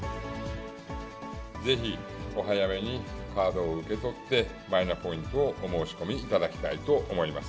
ぜひお早めにカードを受け取って、マイナポイントをお申し込みいただきたいと思います。